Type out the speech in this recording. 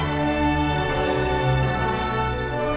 thưa quý vị